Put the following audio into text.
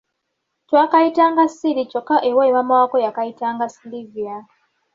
Twakayitanga Ssiiri kyokka ewaabwe maama waako yakayitanga Sylivia.